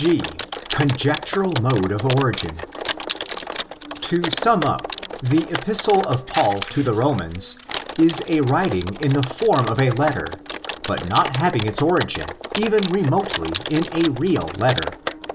G.—Conjectural Mode of Origin. To sum up: The " Epistle of Paul to the Romans" is a writing in the form of a letter, but not having its origin, even remotely, in a real letter.